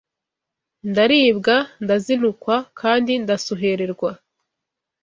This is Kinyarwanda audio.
Ndaribwa ndazinukwa kandi ndasuhererwa